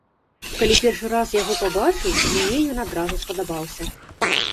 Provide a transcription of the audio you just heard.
Калі першы раз яго пабачыў, мне ён адразу спадабаўся.